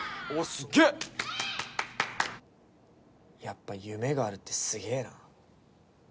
すっげえやっぱ夢があるってすげえなえっ？